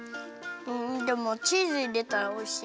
うんでもチーズいれたらおいしい。